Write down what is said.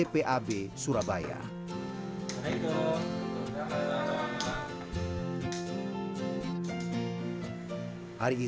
tapi saya belum tahu mau mulai kaya apa apa berries